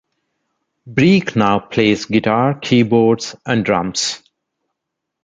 Breeck now plays guitar, keyboards and drums.